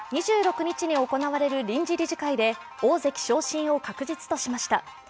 ２６日に行われる臨時理事会で大関昇進を確実としました。